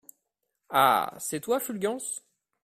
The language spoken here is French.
Ah ! c’est toi, Fulgence ?